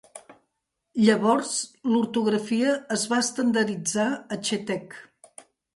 Llavors l'ortografia es va estandarditzar a Chetek.